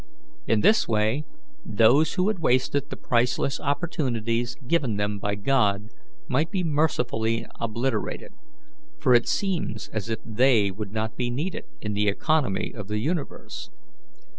In this way, those who had wasted the priceless opportunities given them by God might be mercifully obliterated, for it seems as if they would not be needed in the economy of the universe.